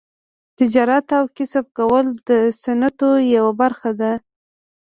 تجارت او کسب کول د سنتو یوه برخه ده.